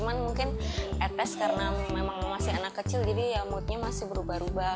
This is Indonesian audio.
cuman mungkin etes karena memang masih anak kecil jadi ya moodnya masih berubah ubah